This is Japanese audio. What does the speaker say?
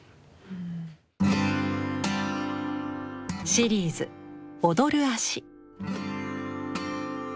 シリーズ「踊る足」。